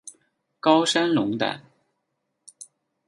高山龙胆